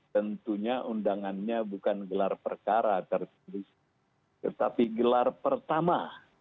tentunya undangannya bukan gelar perkara tertulis tetapi gelar pertama